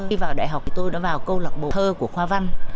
khi vào đại học tôi đã vào câu lọc bộ thơ của khoa văn